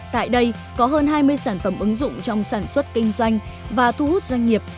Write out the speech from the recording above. tại đây có hơn hai mươi sản phẩm ứng dụng trong sản xuất kinh doanh và thu hút doanh nghiệp